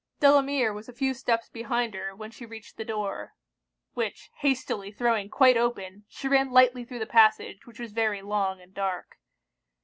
Delamere was a few steps behind her when she reached the door; which hastily throwing quite open, she ran lightly thro' the passage, which was very long and dark.